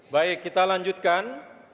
baik kita lanjutkan